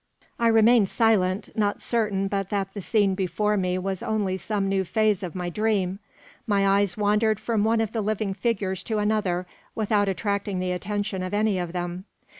I remained silent, not certain but that the scene before me was only some new phase of my dream. My eyes wandered from one of the living figures to another, without attracting the attention of any of them.